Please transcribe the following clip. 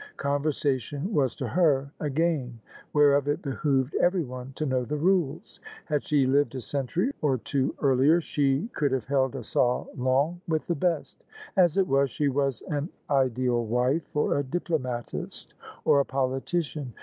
Con versation was to her a game, whereof it behoved everyone to know the rules. Had she lived a century or two earlier, she could have held a salon with the best: as it was, she was an ideal wife for a diplomatist or a politician.